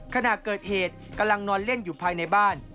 ขณะเกิดเหตุกำลังนอนเล่นอยู่ภายในบ้าน